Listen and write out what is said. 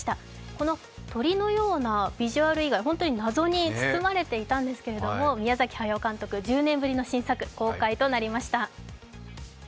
この鳥のようなビジュアル以外、本当に謎に包まれていたんですが宮崎駿監督１０年ぶりの新作公開となりました。